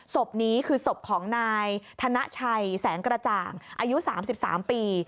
ศพนี้คือศพของนายธนชัยแสงกระจ่างอายุ๓๓ปี